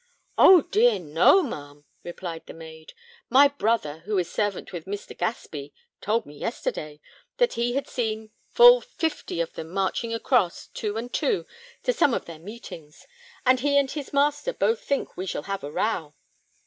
"Oh! dear, no, ma'am!" replied the maid. "My brother, who is servant with Mr. Gaspey, told me yesterday, that he had seen full fifty of them marching across, two and two, to some of their meetings; and he and his master both think we shall have a row.